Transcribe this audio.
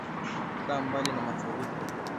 Kaa mbali na Mafuriko